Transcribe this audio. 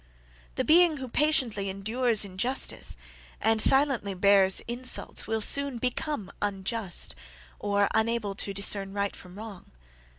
The being who patiently endures injustice, and silently bears insults, will soon become unjust, or unable to discern right from wrong.